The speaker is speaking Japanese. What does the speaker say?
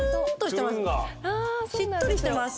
しっとりしてます。